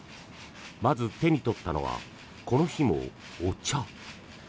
まず手に取ったのはこの日もお茶。